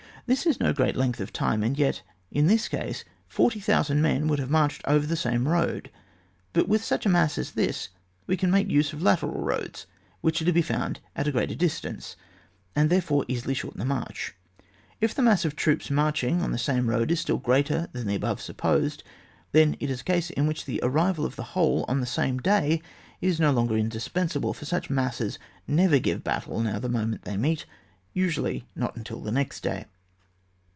This is no great length of time, and yet in this case forty thousand men would have marched over the same road. But with such a mass as this we can make use of lateral roads, which are to be found at a greater distance, and there fore easily shorten the march. If the mass of troops marching on the same road is still greater than above supposed, then it is a case in which the arrival of the whole on the same day is no longer indispensable, for such masses never give battle now the moment they meet, usually not until the next day.